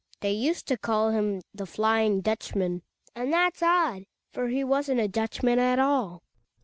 They used to call him The Flying Dutchman." And that's odd, for he wasn't a Dutchman at all.